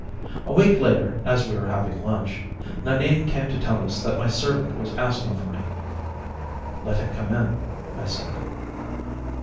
A week later, as we were having lunch, Nanine came to tell us that my servant was asking for me. "Let him come in," I said.